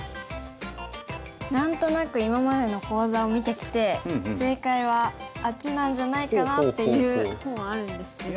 何となく今までの講座を見てきて正解はあっちなんじゃないかなっていう方はあるんですけど。